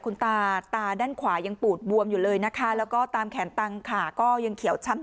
คุณตาตาด้านขวายังปูดบวมอยู่เลยนะคะแล้วก็ตามแขนตังขาก็ยังเขียวช้ำ